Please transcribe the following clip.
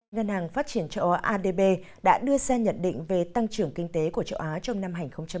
ngân hàng phát triển châu á adb đã đưa ra nhận định về tăng trưởng kinh tế của châu á trong năm hai nghìn hai mươi